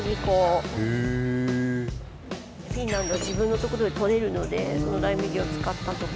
フィンランド自分の所で採れるのでライ麦を使ったとか。